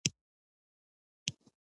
مړه ته د آیتونو روښانه قبر غواړو